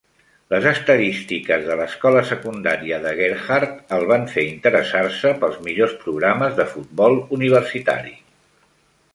Les estadístiques de l'escola secundària de Gerhart el van fer interessar-se pels millors programes de futbol universitari.